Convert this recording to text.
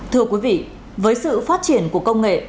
thưa quý vị với sự phát triển của công nghệ